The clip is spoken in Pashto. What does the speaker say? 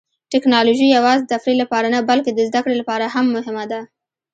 ټیکنالوژي یوازې د تفریح لپاره نه، بلکې د زده کړې لپاره هم مهمه ده.